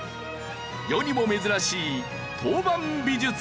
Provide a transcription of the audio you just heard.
世にも珍しい陶板美術館。